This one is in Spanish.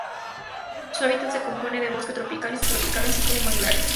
Su hábitat se compone de bosque tropical y subtropical así como manglares.